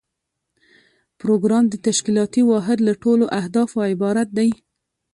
پروګرام د تشکیلاتي واحد له ټولو اهدافو عبارت دی.